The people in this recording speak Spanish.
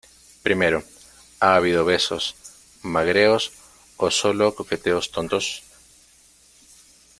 primero, ¿ ha habido besos , magreos o solo coqueteos tontos?